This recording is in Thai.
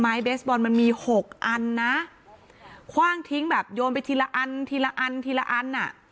เบสบอลมันมีหกอันนะคว่างทิ้งแบบโยนไปทีละอันทีละอันทีละอันอ่ะ